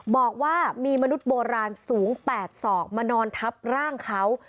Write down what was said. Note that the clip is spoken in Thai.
บอกว่ามีมนุษย์โบราณสูง๘ศอกมานอนทับร่างเขา